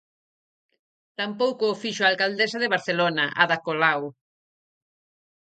Tampouco o fixo a alcaldesa de Barcelona, Ada Colau.